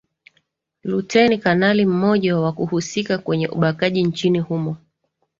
luten kanali mmoja wakuhusika kwenye ubakaji nchini humo